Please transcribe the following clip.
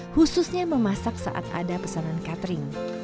khususnya memasak saat ada pesanan catering